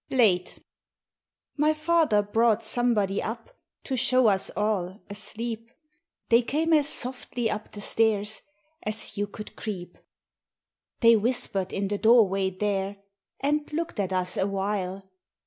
Late My Father brought somebody up, To show us all, asleep. They came as softly up the stairs As you could creep. They whispered in the doorway there, And looked at us awhile.